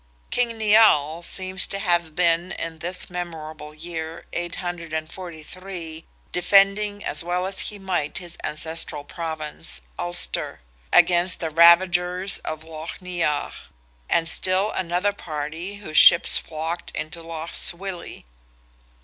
King Nial seems to have been in this memorable year, 843, defending as well as he might his ancestral province—Ulster—against the ravagers of Lough Neagh, and still another party whose ships flocked into Lough Swilly.